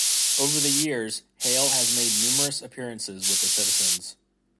Over the years, Hale has made numerous appearances with the Citizens'.